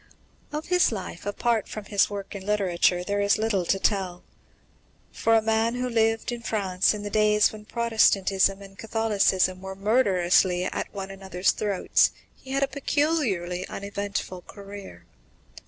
Of his life, apart from his work in literature, there is little to tell. For a man who lived in France in days when Protestantism and Catholicism were murderously at one another's throats, he had a peculiarly uneventful career.